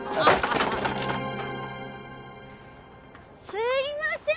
すいません！